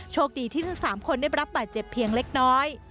โชคดีที่ทั้ง๓คนได้รับบาดเจ็บเพียงเล็กน้อย